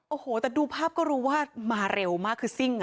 โอ้โหแต่ดูภาพก็รู้ว่ามาเร็วมากคือซิ่ง